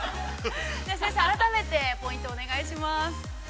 ◆先生、改めてポイントをお願いします。